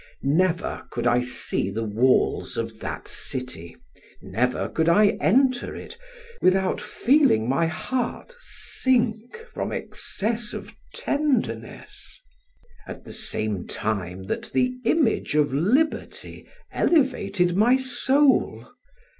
Never could I see the walls of that city, never could I enter it, without feeling my heart sink from excess of tenderness, at the same time that the image of liberty elevated my soul.